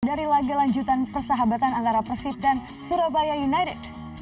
dari laga lanjutan persahabatan antara persib dan surabaya united